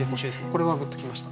これはグッときました。